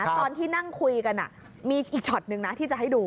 ตอนที่นั่งคุยกันมีอีกช็อตนึงนะที่จะให้ดู